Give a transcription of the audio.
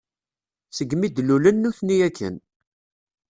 Segmi d-lulen nutni akken.